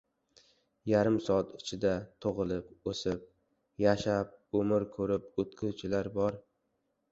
Yarim soat ichida tug‘ilib, o‘sib, yashab, umr ko‘rib o‘tguvchilar bor;